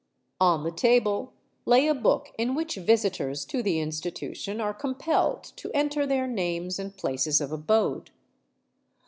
On the table lay a book in which visitors to the institution are compelled to enter their names and places of abode.